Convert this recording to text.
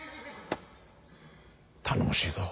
頼もしいぞ。